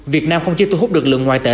việt nam không chỉ thu hút được lượng ngoại tệ